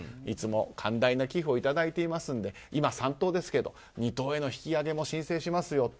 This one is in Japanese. いつも寛大な寄付をいただいていますので今、三等ですけど二等への引き上げも申請しますよ。